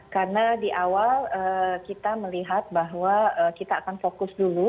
karena di awal kita melihat bahwa kita akan fokus dulu